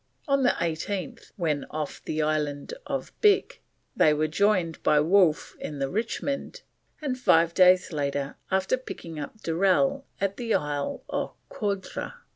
On the 18th, when off the Island of Bic, they were joined by Wolfe in the Richmond, and five days after picked up Durell at the Ile aux Coudres.